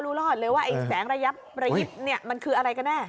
ก็รู้รอดเลยว่าแสงระยับระยิบนี่มันคืออะไรกันแน่